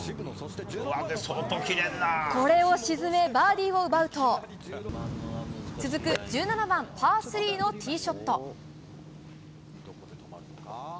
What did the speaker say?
これを沈めバーディーを奪うと続く１７番、パー３のティーショット。